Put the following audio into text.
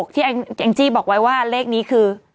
แองจี้บอกไว้ว่าเลขนี้คือ